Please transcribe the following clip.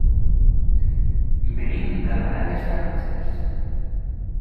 Venim d'Albalat dels Tarongers.